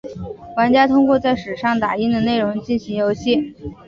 玩家通过在纸上打印的内容进行游戏。